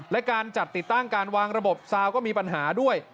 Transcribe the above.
และการจัดติดตั้งการวางระบบซาวก็มีปัญหาด้วย